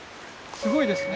すごいですね！